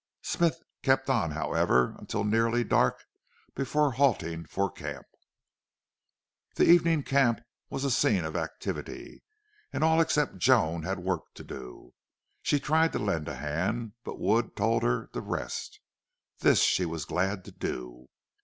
Smith kept on, however, until nearly dark before halting for camp. The evening camp was a scene of activity, and all except Joan had work to do. She tried to lend a hand, but Wood told her to rest. This she was glad to do.